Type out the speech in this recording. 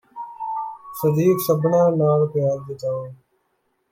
ਸਦੀਕ ਸਭਨਾਂ ਨਾਲ ਪਿਆਰ ਜਤਾਓ